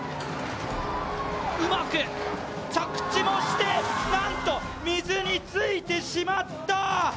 うまく着地もして、なんと水についてしまった。